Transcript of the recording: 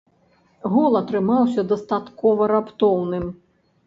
Гол атрымаўся дастаткова раптоўным.